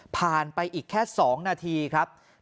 ไปอีกแค่๒นาทีครับ